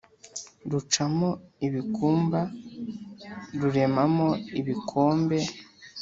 rucamo ibikumba ruremamo ibikombe